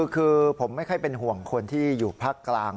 คือผมไม่ค่อยเป็นห่วงคนที่อยู่ภาคกลาง